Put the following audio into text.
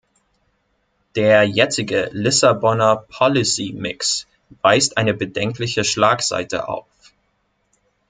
Der jetzige Lissabonner Policy-Mix weist eine bedenkliche Schlagseite auf.